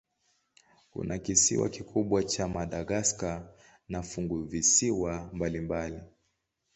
Kuna kisiwa kikubwa cha Madagaska na funguvisiwa mbalimbali.